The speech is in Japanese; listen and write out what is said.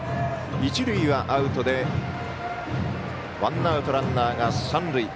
一塁はアウトでワンアウト、ランナーが三塁。